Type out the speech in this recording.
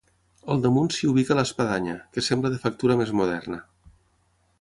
Al damunt s'hi ubica l'espadanya, que sembla de factura més moderna.